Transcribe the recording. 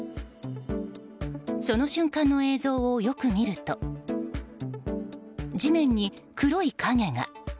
その瞬間の映像をよく見ると地面に黒い影が。